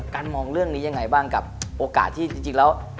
การมองเรื่องนี้ยังไงบ้างกับโอกาสที่จริงแล้ว